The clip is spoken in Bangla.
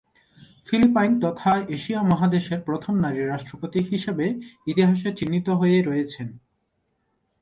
ফিলিপাইন তথা এশিয়া মহাদেশের "প্রথম নারী রাষ্ট্রপতি" হিসেবে ইতিহাসে চিহ্নিত হয়ে রয়েছেন।